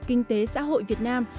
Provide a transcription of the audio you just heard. kinh tế xã hội việt nam